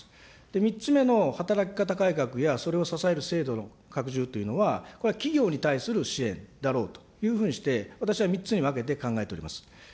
３つ目の働き方改革やそれを支える制度の拡充というのは、これは企業に対する支援だろうというふうにして、私は３つに分けて考えております。